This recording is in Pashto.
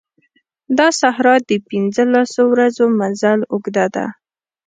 دا صحرا د پنځه لسو ورځو مزل اوږده ده.